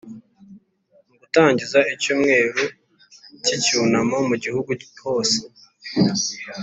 Mu gutangiza icyumweru cy icyunamo mu gihugu hose